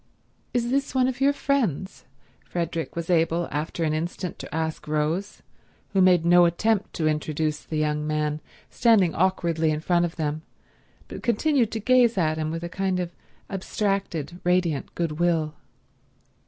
"Is this one of your friends?" Frederick was able after an instant to ask Rose, who made no attempt to introduce the young man standing awkwardly in front of them but continued to gaze at him with a kind of abstracted, radiant goodwill.